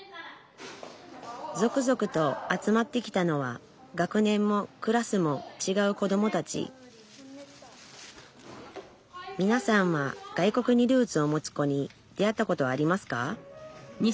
続々と集まってきたのは学年もクラスもちがうこどもたちみなさんは外国にルーツを持つ子に出会ったことはありますか？